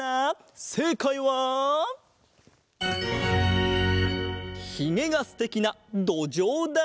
せいかいはひげがすてきなどじょうだ！